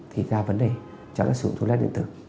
thì ra vấn đề cháu đã sử dụng thuốc lá điện tử